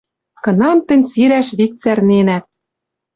Кынам тӹнь сирӓш вик цӓрненӓт